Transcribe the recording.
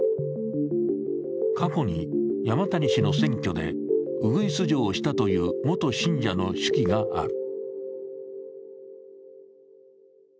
過去に山谷氏の選挙でウグイス嬢をしたという元信者の手記がある。